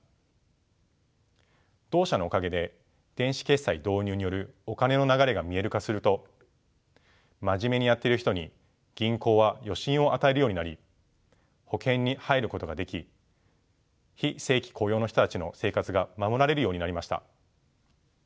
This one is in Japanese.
同社のおかげで電子決済導入によるお金の流れが見える化すると真面目にやっている人に銀行は与信を与えるようになり保険に入ることができ非正規雇用の人たちの生活が守られるようになりました。